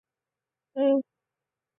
塞尔河畔宽。